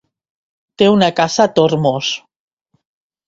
Té una casa a Tormos.